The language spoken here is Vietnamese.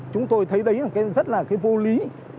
chúng tôi thấy đấy là cái rất là cái vô lý